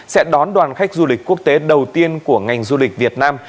sẽ đón đoàn khách du lịch quốc tế đầu tiên của ngành du lịch việt nam